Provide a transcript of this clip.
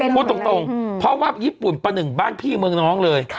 พูดตรงเพราะว่าญี่ปุ่นประหนึ่งบ้านพี่เมืองน้องเลย